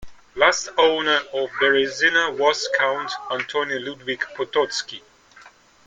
Last owner of Berezino was Count Antoni-Ludwik Potocki.